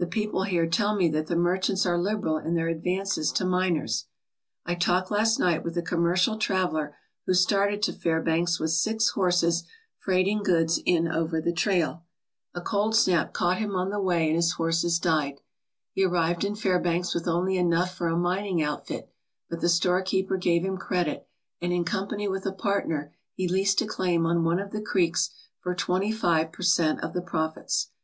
The people here tell me that the merchants are liberal in their advances to miners. I talked last night with a commercial traveller who started to Fairbanks with six horses freight ing goods in over the trail. A cold snap caught him on 146 FAIRBANKS, THE CHICAGO OF ALASKA the way and his horses died. He arrived in Fairbanks with only enough for a mining outfit, but the store keeper gave him credit and in company with a partner he leased a claim on one of the creeks for twenty five per cent, of the profits.